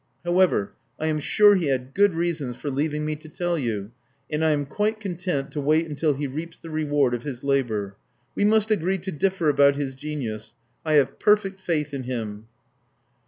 How ever, I am sure he had good reasons for leaving me to tell you; and I am quite content to wait until he reaps the reward of his labor. We must agree to differ about his genius. I have perfect faith in him."